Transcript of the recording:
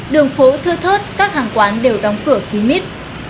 đường phố thưa thớt các hàng quán đều đóng cửa kín mít